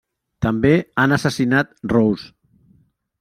També han assassinat Rose.